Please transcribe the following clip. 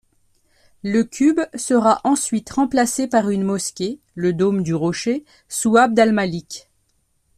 Le cube sera ensuite remplacé par une mosquée, le Dôme du rocher, sous Abd-Al-Malik.